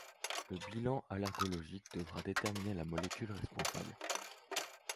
Le bilan allergologique devra déterminer la molécule responsable.